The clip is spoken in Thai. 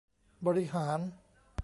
บริหาร